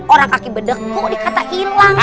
orang kaki bedek kok dikata hilang